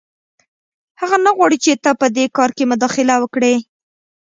هغه نه غواړي چې ته په دې کار کې مداخله وکړې